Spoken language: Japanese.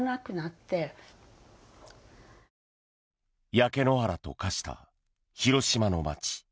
焼け野原と化した広島の街。